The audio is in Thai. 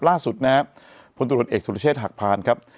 ล่าสุดนะครับพลตรวจเอกสุรเชษฐหักพานครับ